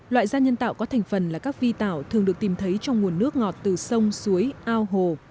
loại da nhân tạo có thành phần là các vi tạo thường được tìm thấy trong nguồn nước ngọt từ sông suối ao hồ